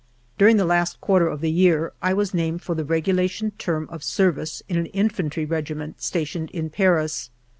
During the last quarter of the year I was named for the regulation term of ser vice in an infantry regiment stationed in Paris.